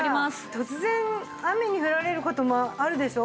突然雨に降られる事もあるでしょ？